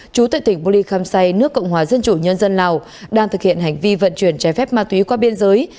chủ tịch tỉnh bùi lì khăm xay nước cộng hòa dân chủ nhân dân lào đang thực hiện hành vi vận chuyển trái phép ma túy qua biên giới